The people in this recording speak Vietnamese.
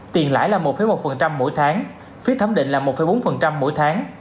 tiền lãi là một một mỗi tháng phí thẩm định là một bốn mỗi tháng